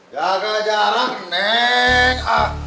jaga jarak neng